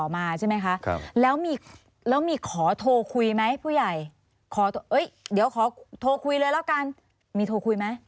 มีของคุยเลยละกันมีโทรคุยมั้ย